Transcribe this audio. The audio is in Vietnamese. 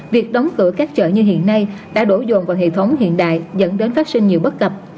việc đóng cửa các chợ như hiện nay đã đổ dồn vào hệ thống hiện đại dẫn đến phát sinh nhiều bất cập